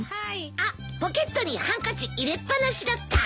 あっポケットにハンカチ入れっぱなしだった。